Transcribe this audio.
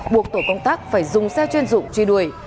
buộc tổ công tác phải dùng xe chuyên dụng truy đuổi